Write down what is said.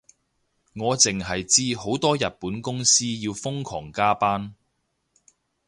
我淨係知好多日本公司要瘋狂加班